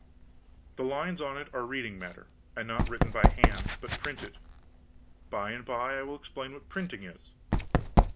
The lines on it are reading matter; and not written by hand, but printed; by and by I will explain what printing is.